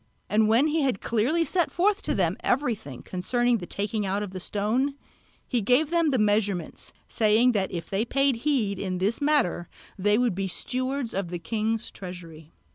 And when he had clearly set forth to them everything concerning the taking out of the stone, he gave them the measurements, saying that if they paid heed to this matter they would be stewards of the king's treasury.